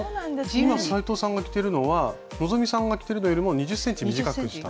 今斉藤さんが着てるのは希さんが着てるのよりも２０ｃｍ短くした。